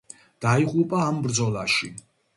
დაიღუპა ამ ბრძოლაში.